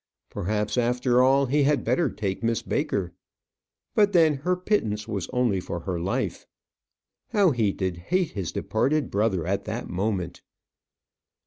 Perhaps, after all, he had better take Miss Baker. But then her pittance was only for her life. How he did hate his departed brother at that moment!